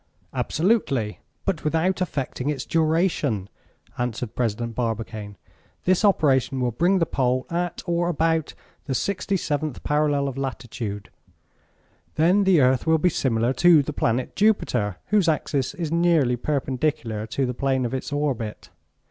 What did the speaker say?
"Absolutely, but without affecting its duration," answered President Barbicane. This operation will bring the pole at or about the sixty seventh parallel of latitude, then the earth will be similar to the planet Jupiter, whose axis is nearly perpendicular to the plane of its orbit.